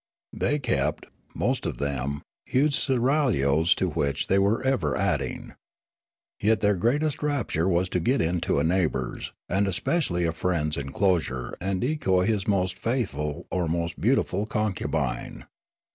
They kept, most of them, huge seraglios to which they were ever adding. Yet their greatest rapture was to get into a neighbour's, and especially a friend's enclosure and decoy his most faithful or most beautiful concubine.